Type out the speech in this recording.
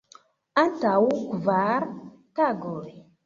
Antaŭ kvar tagoj.